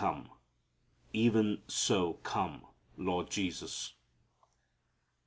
"Even so come, Lord Jesus."